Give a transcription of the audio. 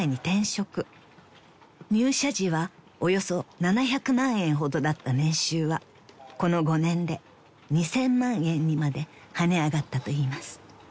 ［入社時はおよそ７００万円ほどだった年収はこの５年で２，０００万円にまで跳ね上がったといいます］